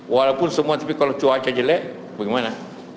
walaupun semua tapi kalau cuaca jelek bagaimana